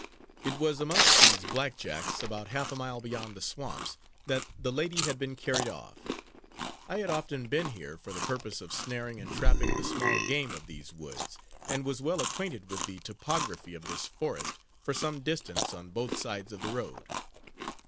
It was amongst these black jacks, about half a mile beyond the swamps, that the lady had been carried off. I had often been here, for the purpose of snaring and trapping the small game of these woods, and was well acquainted with the topography of this forest, for some distance, on both sides of the road.